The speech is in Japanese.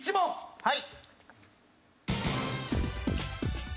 はい。